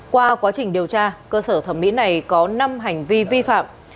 qua quá trình điều tra cơ sở thẩm mỹ này có năm hành vi vi phạm